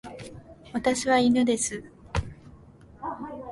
私は犬です。